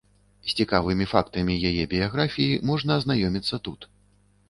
З цікавымі фактамі яе біяграфіі можна азнаёміцца тут.